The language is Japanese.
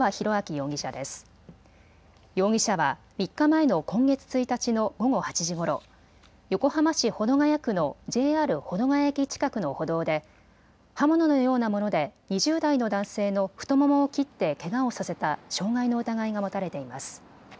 容疑者は３日前の今月１日の午後８時ごろ、横浜市保土ケ谷区のＪＲ保土ケ谷駅近くの歩道で刃物のようなもので２０代の男性の太ももを切ってけがをさせた傷害の疑いが持たれています。